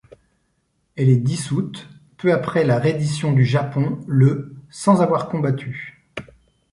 Elle est dissoute peu après la reddition du Japon le sans avoir combattu.